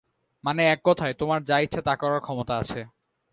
মানে, এক কথায়, তোমার যা ইচ্ছে তা করার ক্ষমতা আছে।